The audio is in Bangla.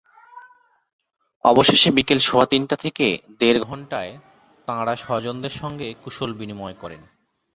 অবশেষে বিকেল সোয়া তিনটা থেকে দেড় ঘণ্টায় তাঁরা স্বজনদের সঙ্গে কুশলবিনিময় করেন।